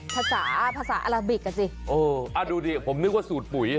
ภาษาภาษาอัลลาบิกกันสิอ่อดูดิผมนึกว่าสูตรปุ๋ย